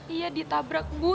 iya ditabrak bu